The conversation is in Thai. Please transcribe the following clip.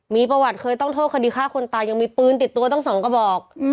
มีประวัติเคยต้องโทษคดีฆ่าคนตายยังมีปืนติดตัวตั้ง๒กระบอก